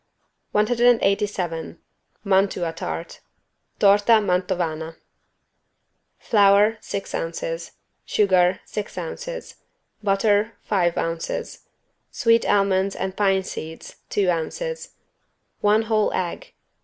187 MANTUA TART (Torta Mantovana) Flour, six ounces. Sugar, six ounces. Butter, five ounces. Sweet almonds and pine seeds, two ounces. One whole egg.